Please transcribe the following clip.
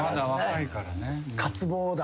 渇望だ。